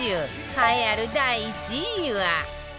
栄えある第１位は